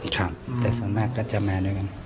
ครับแต่ส่วนมากก็จะมาด้วยกัน